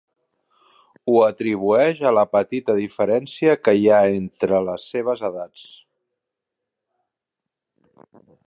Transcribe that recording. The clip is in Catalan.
Ho atribueix a la petita diferència que hi ha entre les seves edats.